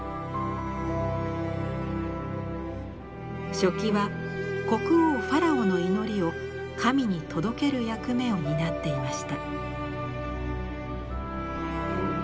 書記は国王ファラオの祈りを神に届ける役目を担っていました。